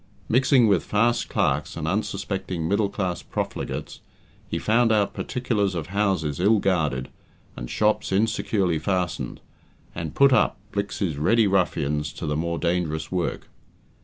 Mixing with fast clerks and unsuspecting middle class profligates, he found out particulars of houses ill guarded, and shops insecurely fastened, and "put up" Blicks's ready ruffians to the more dangerous work.